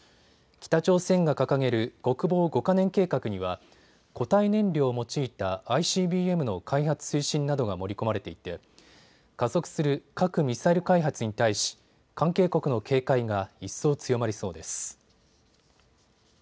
北朝鮮が掲げる国防５か年計画には固体燃料を用いたＩＣＢＭの開発推進などが盛り込まれていて加速する核・ミサイル開発に対し関係国の警戒が一層強まりそうです。